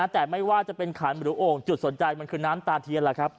แต่ไม่ว่าจะเป็นขันหรือโอ่งจุดสนใจมันคือน้ำตาเทียนล่ะครับ